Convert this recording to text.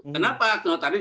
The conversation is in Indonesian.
kenapa akte notaril